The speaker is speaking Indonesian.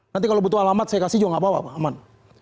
nanti kalau butuh alamat saya kasih juga nggak bawa pak aman